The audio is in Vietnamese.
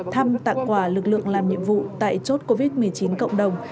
thăm tặng quà lực lượng làm nhiệm vụ tại chốt covid một mươi chín cộng đồng